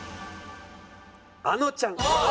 あのちゃん。